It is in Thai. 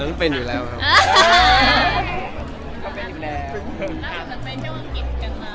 เอิ้งเป็นอยู่แล้วครับ